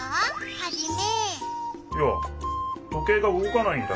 ハジメ。